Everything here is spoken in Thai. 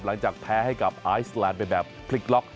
หลังจากแพ้ให้กับไอซแลนด์ไปแบบพลิกล็อก